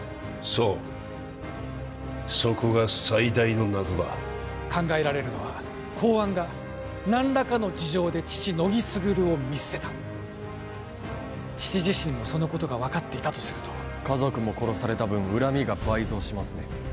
そうそこが最大の謎だ考えられるのは公安が何らかの事情で父乃木卓を見捨てた父自身もそのことが分かっていたとすると家族も殺された分恨みが倍増しますね